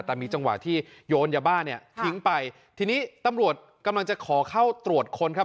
แต่มีจังหวะที่โยนยาบ้าเนี่ยทิ้งไปทีนี้ตำรวจกำลังจะขอเข้าตรวจค้นครับ